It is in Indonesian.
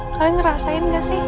kalian ngerasain gak sih